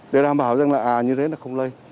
để đảm bảo rằng là à như thế là không lây